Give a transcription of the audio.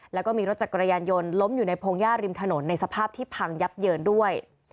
แล้วก็มีรถจักรยานยนต์ล้มอยู่ในพงหญ้าริมถนนในสภาพที่พังยับเยินด้วย